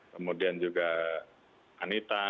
kemudian juga anita